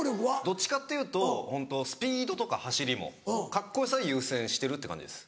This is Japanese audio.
どっちかっていうとホントスピードとか走りもカッコよさを優先してるって感じです。